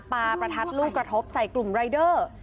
ปาประทับลูกกระทบในกลุ่มรายเจ้า